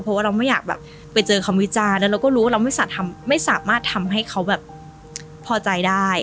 เพราะว่าเราไม่อยากแบบไปเจอคำวิจารณ์แล้วเราก็รู้ว่าเราไม่สามารถทำให้เขาแบบพอใจได้